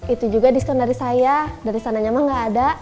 itu juga diskon dari saya dari sana nyama gak ada